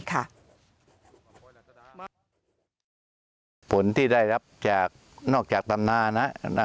ผลที่ได้รับจากนอกจากตำนานนะ